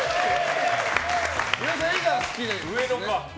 岩井さん、絵が好きでね。